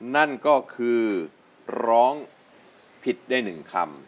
นั่นก็คือร้องผิดได้๑คำ